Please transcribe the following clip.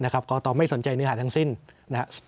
กกไม่สนใจเนื้อหาสถานีทั้งสิ้น